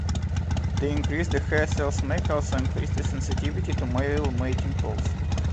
The increase the hair cells make also increase the sensitivity to male mating calls.